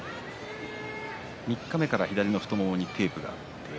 三日目から左の太ももにテープがあります。